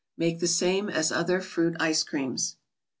Make the same as other fruit ice creams.